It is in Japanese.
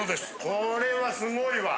これはすごいわ。